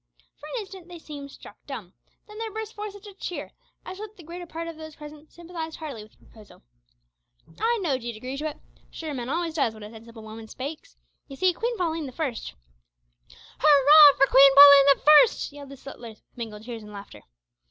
For a moment they seemed struck dumb; then there burst forth such a cheer as showed that the greater part of those present sympathised heartily with the proposal. "I know'd ye'd agree to it. Sure, men always does when a sensible woman spakes. You see, Queen Pauline the First " "Hurrah! for Queen Pauline the First," yelled the settlers, with mingled cheers and laughter.